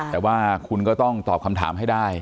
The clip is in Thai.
แต่ว่าคุณก็ต้องตอบคำถามให้ได้